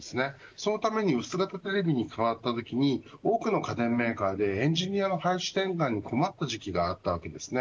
そのために薄型テレビに変わったときに多くの家電メーカーでエンジニアの配置転換に困った時期があったわけですね。